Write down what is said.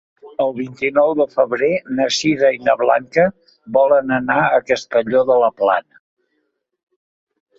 El vint-i-nou de febrer na Sira i na Blanca volen anar a Castelló de la Plana.